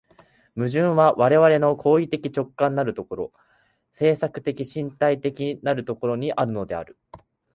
矛盾は我々の行為的直観的なる所、制作的身体的なる所にあるのである。